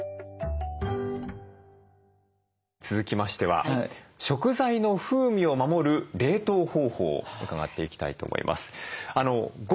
続きましては食材の風味を守る冷凍方法伺っていきたいと思います。